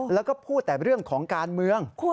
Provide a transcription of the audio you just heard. แล้วก็พูดแต่เรื่องของการเมือง